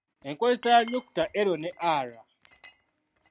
Enkozesa y’Ennukuta l ne r.